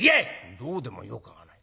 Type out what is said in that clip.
「どうでもよくはない。